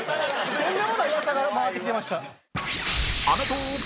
とんでもない噂が回ってきてました。